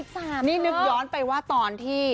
นี่นึกย้อนไปว่าตอนที่